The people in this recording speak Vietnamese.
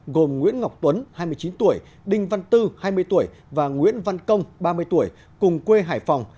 gồm nguyễn ngọc tuấn hai mươi chín tuổi đinh văn tư hai mươi tuổi và nguyễn văn công ba mươi tuổi cùng quê hải phòng